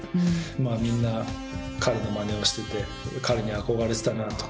みんな彼のマネをしていて彼に憧れていたなあと。